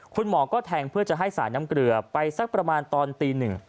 คุณหมอก็แทงเพื่อจะให้สายน้ำเกลือไปสักประมาณตอนตีหนึ่ง